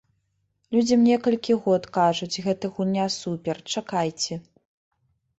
Людзям некалькі год кажуць, гэта гульня супер, чакайце.